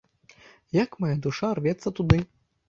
Як мая душа рвецца туды!